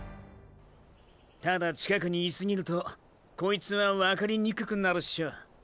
ただ近くにいすぎるとこいつはワカリにくくなるショ。